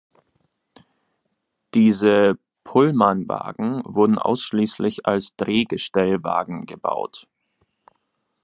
Diese Pullmanwagen wurden ausschließlich als Drehgestellwagen gebaut.